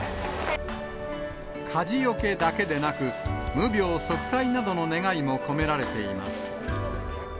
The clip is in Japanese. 火事よけだけでなく、無病息災などの願いも込められています。